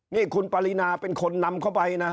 นี่คุณปรินาเป็นคนนำเข้าไปนะ